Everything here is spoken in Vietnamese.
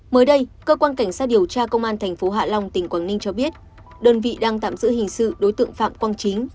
mới đây cơ quan cảnh sát điều tra công an tp hạ long tỉnh quảng ninh cho biết đơn vị đang tạm giữ hình sự đối tượng phạm quang chính